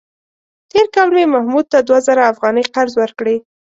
تېر کال مې محمود ته دوه زره افغانۍ قرض ورکړې.